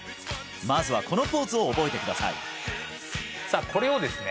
まずはこのポーズを覚えてくださいさあこれをですね